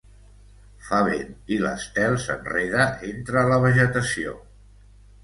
Fa vent i l’estel s’enreda entre la vegetació.